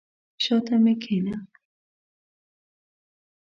شاته مي کښېنه !